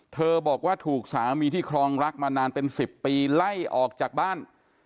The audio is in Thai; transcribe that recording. บอกว่าถูกสามีที่ครองรักมานานเป็น๑๐ปีไล่ออกจากบ้าน